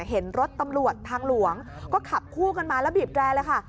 เห็นรถตำรวจทางหลวงก็ขับคู่กันมาแล้วบีบแรร์เลยค่ะ